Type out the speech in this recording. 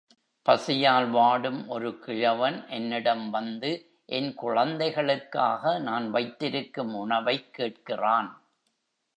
பசியால் வாடும் ஒரு கிழவன் என்னிடம் வந்து, என் குழந்தைகளுக்காக நான் வைத்திருக்கும் உணவைக் கேட்கிறான்.